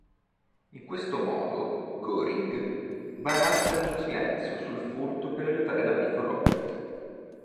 In questo modo Goring baratta il silenzio sul furto per aiutare l'amico Robert.